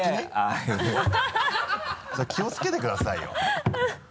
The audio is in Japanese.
気をつけてくださいよ。